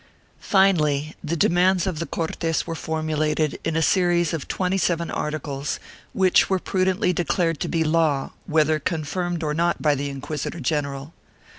1 Finally the demands of the Cortes were formulated in a series of twenty seven articles, which were prudently declared to be law, whether confirmed or not by the inquisitor general.